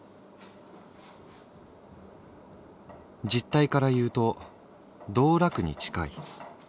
「実態から言うと道楽に近い」。